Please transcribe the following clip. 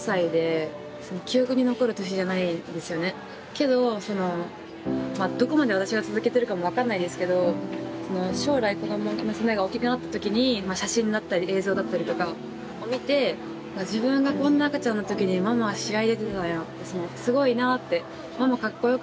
けどどこまで私が続けてるかも分かんないですけど将来子ども娘が大きくなった時に写真だったり映像だったりとかを見て自分がこんな赤ちゃんの時にママは試合出てたやんすごいなってママかっこいいなって思ってくれるのを目標に